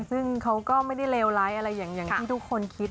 ซึ่งเขาก็ไม่ได้เลวร้ายอะไรอย่างที่ทุกคนคิด